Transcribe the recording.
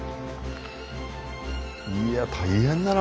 いや大変だな